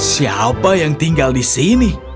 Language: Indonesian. siapa yang tinggal di sini